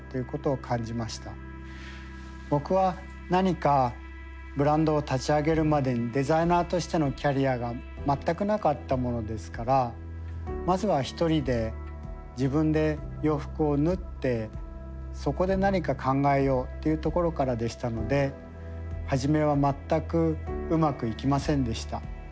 僕は何かブランドを立ち上げるまでにデザイナーとしてのキャリアが全くなかったものですからまずは一人で自分で洋服を縫ってそこで何か考えようっていうところからでしたので初めは全くうまくいきませんでした。